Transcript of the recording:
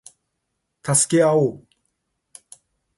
助け合おう